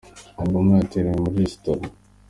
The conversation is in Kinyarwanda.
Obama yateruriwe muri resitora